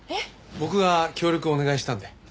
僕が協力をお願いしたので。